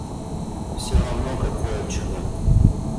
Все равно какое чудо.